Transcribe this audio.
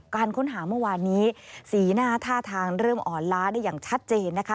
การค้นหาเมื่อวานนี้สีหน้าท่าทางเริ่มอ่อนล้าได้อย่างชัดเจนนะคะ